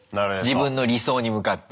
自分の理想に向かって。